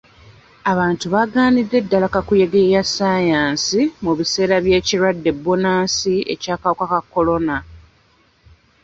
Abantu bagaanidde ddala kakuyege ya ssaayansi mu biseera by'ekirwadde bbunansi eky'akawuka ka kolona.